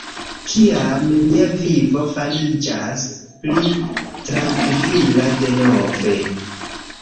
Kiam mia vivo fariĝas pli trankvila denove